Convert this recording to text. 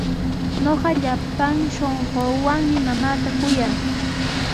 Ñuqa llapan shunquuwanmi mamaata kuyaa.